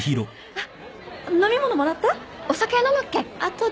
あっ。